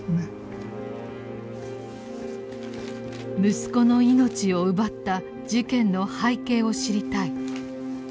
息子の命を奪った事件の背景を知りたい。